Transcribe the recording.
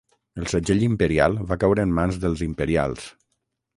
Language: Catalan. El segell imperial va caure en mans dels imperials.